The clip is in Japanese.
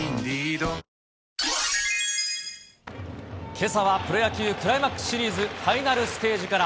けさはプロ野球クライマックスシリーズファイナルステージから。